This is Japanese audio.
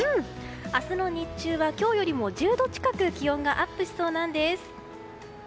明日の日中は今日よりも１０度近く気温がアップしそうなんです。